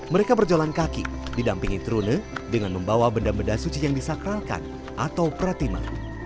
mereka berjalan kaki didampingi trune dengan membawa benda benda suci yang disakralkan atau pratima